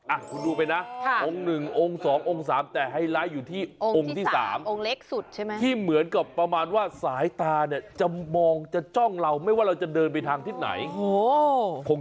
อ่ะคุณดูไปนะองค์หนึ่งองค์สององค์สามแต่ไฮไลท์อยู่ที่องค์ที่๓องค์เล็กสุดใช่ไหมที่เหมือนกับประมาณว่าสายตาเนี่ยจะมองจะจ้องเราไม่ว่าเราจะเดินไปทางทิศไหน